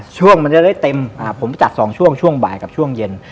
ช่วงมันจะได้เต็มผมจัด๒ช่วงช่วงบ่ายกับช่วงเย็น